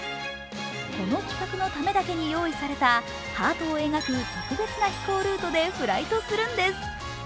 この企画のためだけに用意された、ハートを描く特別な飛行ルートでフライトするんです。